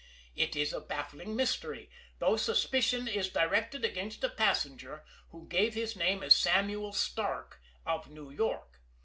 It is a baffling mystery, though suspicion is directed against a passenger who gave his name as Samuel Starke of New York.